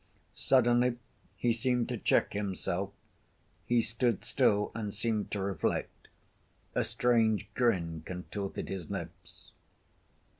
Suddenly he seemed to check himself. He stood still and seemed to reflect. A strange grin contorted his lips.